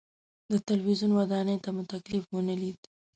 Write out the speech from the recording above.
د تلویزیون ودانۍ ته مو تکلیف ونه لید.